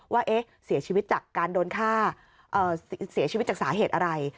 ว่าเสียชีวิตจากการโดนฆ่าเสียชีวิตจากสาเหตุอะไร